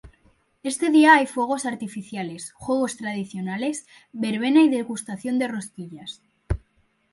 Este día hay fuegos artificiales, juegos tradicionales, verbena y degustación de rosquillas.